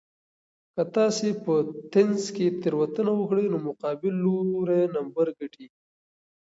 که تاسي په تېنس کې تېروتنه وکړئ نو مقابل لوری نمبر ګټي.